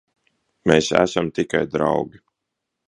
Mēs esam tikai draugi.